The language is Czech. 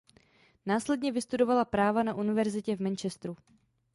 Následně vystudovala práva na Universitě v Manchesteru.